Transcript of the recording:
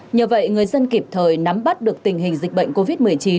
nhờ vậy người dân kịp thời nắm bắt được tình hình dịch bệnh covid một mươi chín